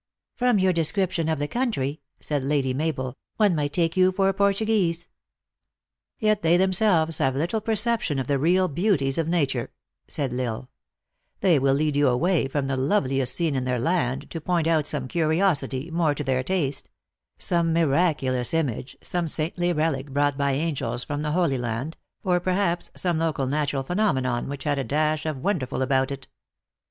" From your description of the country," said Lady Mabel, " one might take you for a Portuguese." " Yd they themselves have little perception of the real beauties of nature," said L Isle. "They will lead you away from the loveliest scene in their land, to THE ACTRESS IN HIGH LIFE. 81 point out some curiosity, more to their taste; some miraculous image, some saintly relic brought by an gels from the Holy Land, or, perhaps, some local natural phenomenon, which has a dash of the wonder ful about it.